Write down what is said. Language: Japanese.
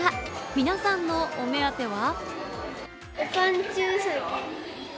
皆さんのお目当ては。